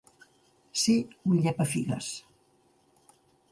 Ser un llepafigues.